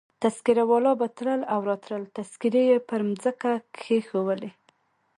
تذکیره والا به تلل او راتلل، تذکیرې يې پر مځکه کښېښولې.